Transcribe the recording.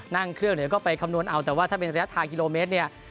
นั่งเครื่องเดี๋ยวก็ไปคำนวณเอาแต่ว่าถ้าเป็นระยะทางกิโลเมตรเนี่ย